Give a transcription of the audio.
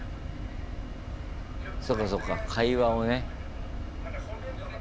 そうかそうか会話をね。